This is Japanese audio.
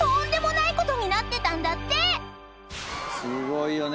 すごいよね。